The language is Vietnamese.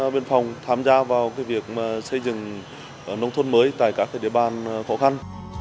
biên phòng tham gia vào việc xây dựng nông thôn mới tại các địa bàn khó khăn